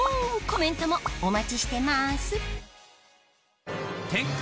コメントもお待ちしてます